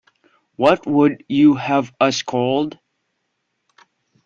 What would you have us called?